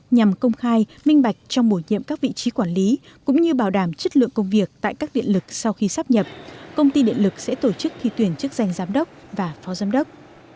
nhằm công khai minh bạch trong bổ nhiệm các vị trí quản lý cũng như bảo đảm chất lượng công việc tại các điện lực sau khi sắp nhập công ty điện lực sẽ tổ chức thi tuyển chức danh giám đốc và phó giám đốc